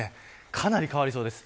かなり変わりそうです。